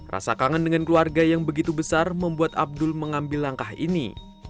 rasa kangen dengan keluarga yang begitu besar membuat abdul mengambil langkah ini